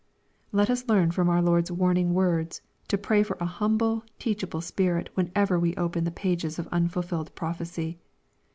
Let us learn from our Lord's warning words to pray for a humble, teachable spirit, whenever we open the pages of unfulfilled prophecy.